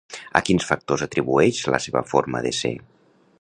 A quins factors atribueix la seva forma de ser?